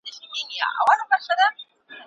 د لاس لیکنه د زده کړي د کیفیت د لوړولو وسیله ده.